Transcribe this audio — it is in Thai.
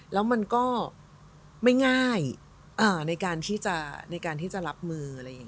แล้วมันก็ไม่ง่ายในการที่จะรับมือ